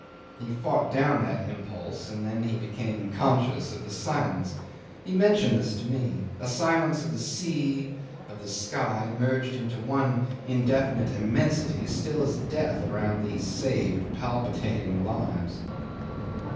He fought down that impulse and then he became conscious of the silence. He mentioned this to me. A silence of the sea, of the sky, merged into one indefinite immensity still as death around these saved, palpitating lives.